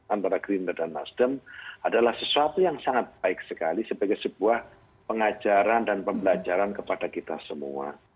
antara gerindra dan nasdem adalah sesuatu yang sangat baik sekali sebagai sebuah pengajaran dan pembelajaran kepada kita semua